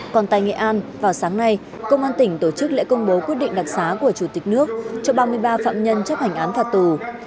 còn tại nghệ an vào sáng nay công an tỉnh tổ chức lễ công bố quyết định đặc xá của chủ tịch nước cho ba mươi ba phạm nhân chấp hành án phạt tù